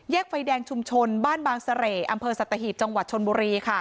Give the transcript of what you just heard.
ไฟแดงชุมชนบ้านบางเสร่อำเภอสัตหีบจังหวัดชนบุรี